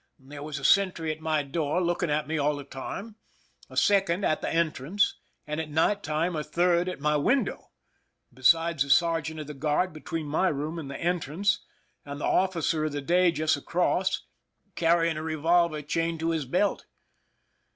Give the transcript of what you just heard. There was a sentry at my door looking at me all the time, a second at the entrance, and at night time a third at my window, besides the sergeant of the guard between my room and the entrance, and the officer of the day just across, carrying a revolver chained to his belt.